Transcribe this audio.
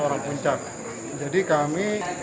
orang puncak jadi kami